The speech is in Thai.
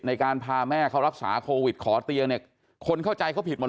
ในการพาแม่เขารับสาหรับโควิดขอเตียงคนเข้าใจเขาผิดหมด